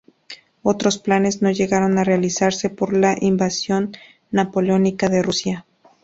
Otros planes no llegaron a realizarse por la Invasión napoleónica de Rusia.